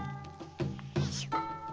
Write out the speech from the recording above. よいしょ。